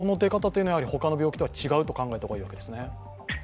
この出方というのは他の病気とは違うと考えた方がいいわけです